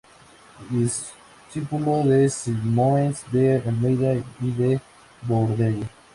Discípulo de Simões de Almeida y de Bourdelle.